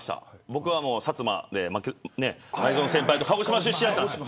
僕は薩摩で前園先輩と同じ鹿児島出身です。